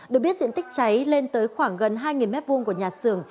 được biết diện tích cháy lên tới khoảng gần hai m hai của nhà xưởng